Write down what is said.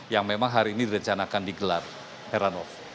yang memang hari ini direncanakan di gelar heranov